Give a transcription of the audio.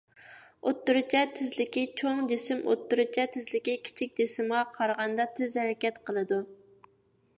ئوتتۇرىچە تېزلىكى چوڭ جىسىم ئوتتۇرىچە تېزلىكى كىچىك جىسىمغا قارىغاندا تېز ھەرىكەت قىلىدۇ.